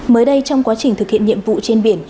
mới đây trong quá trình thực hiện nhiệm vụ trên biển